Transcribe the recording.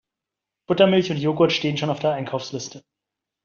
Buttermilch und Jogurt stehen schon auf der Einkaufsliste.